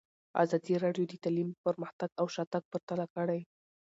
ازادي راډیو د تعلیم پرمختګ او شاتګ پرتله کړی.